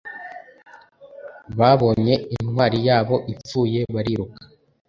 babonye intwari yabo ipfuye bariruka.